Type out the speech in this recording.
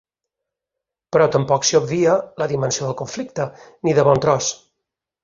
Però tampoc s’hi obvia la dimensió del conflicte, ni de bon tros.